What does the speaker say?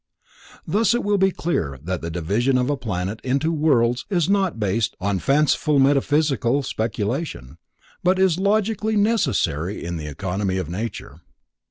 Thus it will be clear that the division of a planet into worlds is not based on fanciful metaphysical speculation, but is logically necessary in the economy of nature.